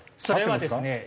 それはですね